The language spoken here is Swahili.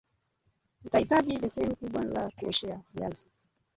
Utahitaji beseni kubwa la kuoshea viazi